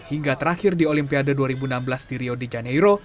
hingga terakhir di olimpiade dua ribu enam belas di rio de janeiro